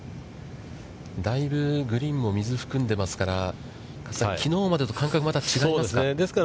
だいぶグリーンも水を含んでますから、加瀬さん、きのうまでと感覚が違いますか。